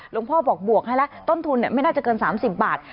หลวงพ่อบอกบวกให้ล่ะต้นทุนเนี้ยไม่น่าจะเกินสามสิบบาท